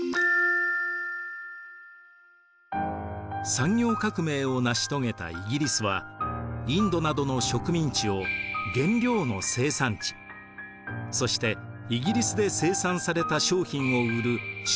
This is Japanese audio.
産業革命を成し遂げたイギリスはインドなどの植民地を原料の生産地そしてイギリスで生産された商品を売る市場としていきました。